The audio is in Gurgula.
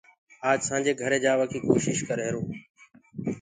آج سآنٚجي گھري جآوآ ڪيٚ ڪوشيٚش ڪر ريهرآئونٚ